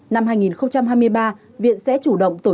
năm hai nghìn hai mươi ba viện sẽ chủ động tổ chức công tác